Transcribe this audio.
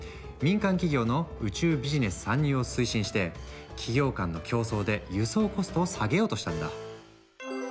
民間企業の宇宙ビジネス参入を推進して、企業間の競争で輸送コストを下げようとしたんだ。